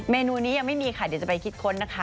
เมนูนี้ยังไม่มีค่ะเดี๋ยวจะไปคิดค้นนะคะ